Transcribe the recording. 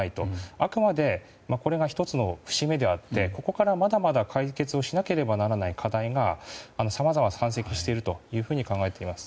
あくまでこれが１つの節目であってここから、まだまだ解決をしなければならない課題がさまざま山積していると考えています。